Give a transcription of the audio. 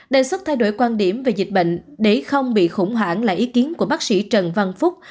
đề xuất thay đổi quan điểm về dịch bệnh để không bị khủng hoảng là ý kiến của bác sĩ trần văn phúc